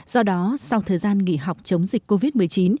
do đó sau thời gian nghỉ học chống dịch covid một mươi chín